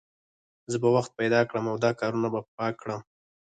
زه به وخت پیدا کړم او دا کارونه به پاک کړم